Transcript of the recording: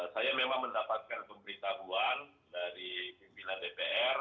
saya memang mendapatkan pemberitahuan dari pimpinan dpr